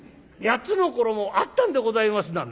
「８つの頃もあったんでございます」。